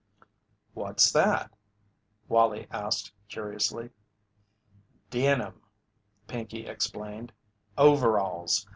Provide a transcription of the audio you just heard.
"What's that?" Wallie asked, curiously. "Denim," Pinkey explained, "overalls.